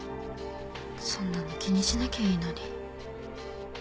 そんなの気にしなきゃいいのに。